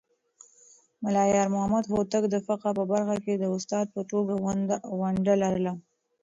ملا يارمحمد هوتک د فقهه په برخه کې د استاد په توګه ونډه لرله.